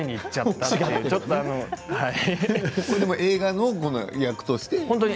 映画の役として！